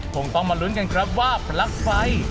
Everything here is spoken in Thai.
คงต้องมาลุ้นกันครับว่าพลั๊กไฟ